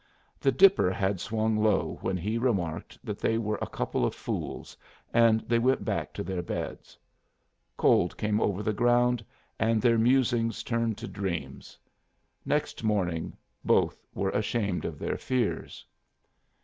The Dipper had swung low when he remarked that they were a couple of fools, and they went back to their beds. Cold came over the ground, and their musings turned to dreams. Next morning both were ashamed of their fears.